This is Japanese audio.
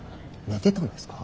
寝てたんですか？